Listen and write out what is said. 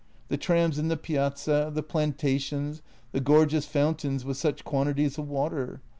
The trams in the piazza, the planta tions, the gorgeous fountains with such quantities of water.